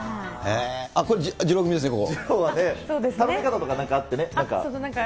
これ、二郎組ですね、ここ。